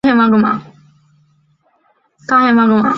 红铆钉菇的宿主就是经常在其附近出现的乳牛肝菌。